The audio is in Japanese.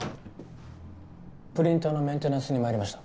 プリンターのメンテナンスに参りました。